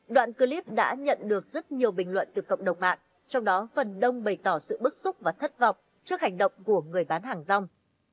đoạn clip đã nhận được rất nhiều bình luận từ cộng đồng mạng trong đó phần đông bày tỏ sự bức xúc và thất vọng trước hành động của người bán hàng rong